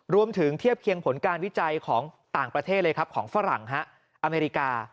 เทียบเคียงผลการวิจัยของต่างประเทศเลยครับของฝรั่งอเมริกา